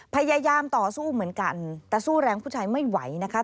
พยายามต่อสู้เหมือนกันแต่สู้แรงผู้ชายไม่ไหวนะคะ